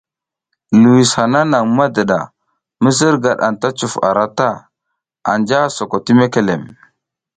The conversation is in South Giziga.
Liwis hana nang madiɗa, misirgad anta cuf ara ta, anja a soko ti mekelem.